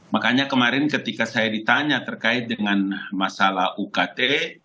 makanya kemarin ketika saya ditanya terkait dengan masalah ukt